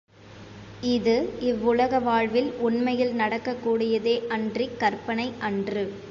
இது இவ்வுலக வாழ்வில் உண்மையில் நடக்கக் கூடியதே அன்றிக் கற்பனை அன்று.